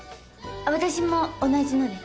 私も同じので。